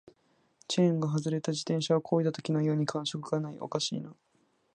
チェーンが外れた自転車を漕いだときのように感触がない、おかしいな